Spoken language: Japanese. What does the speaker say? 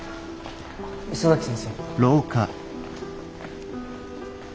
磯崎先生。